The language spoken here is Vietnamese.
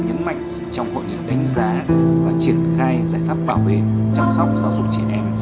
nhấn mạnh trong hội nghị đánh giá và triển khai giải pháp bảo vệ chăm sóc giáo dục trẻ em